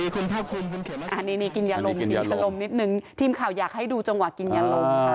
ก็นี่นี่กินอย่าลมนิดนึงทีมข่าวอยากให้ดูจังหวะกินอย่าลม